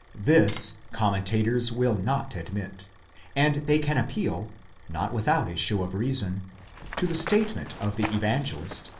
This commentators will not admit, and they can appeal, not without a show of reason, to the statement ofthe Evangelist, v.